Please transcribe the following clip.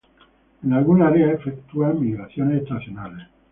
En algunas áreas efectúan migraciones estacionales.